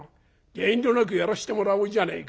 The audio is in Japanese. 遠慮なくやらしてもらおうじゃねえか」。